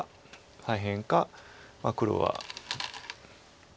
左辺か黒は。